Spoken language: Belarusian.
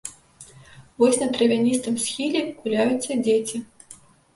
Вось на травяністым схіле куляюцца дзеці.